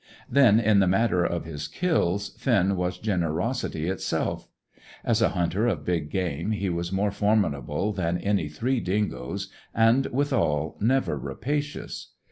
Then in the matter of his kills, Finn was generosity itself. As a hunter of big game he was more formidable than any three dingoes, and, withal, never rapacious.